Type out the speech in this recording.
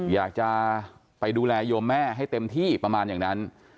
อยากจะไปดูแลโยมแม่ให้เต็มที่ประมาณอย่างนั้น